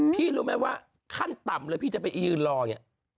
พี่รู้มั้ยว่าขั้นต่ำเลยพี่จะไปยืนรออย่างเงี้ย